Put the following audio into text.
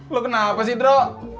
lu kenapa sih bro